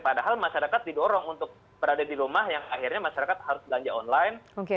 padahal masyarakat didorong untuk berada di rumah yang akhirnya masyarakat harus belanja online